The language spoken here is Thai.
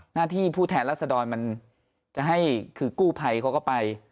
หน้าที่ผู้แทนรัศดรมันจะให้คือกู้ภัยเขาก็ไป